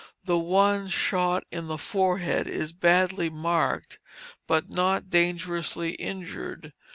The one shot in the forehead is badly marked, but not dangerously injured.